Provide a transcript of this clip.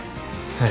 はい。